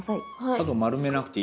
角丸めなくていい？